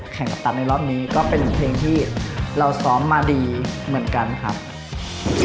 กัปตันในรอบนี้ก็เป็นเพลงที่เราซ้อมมาดีเหมือนกันครับ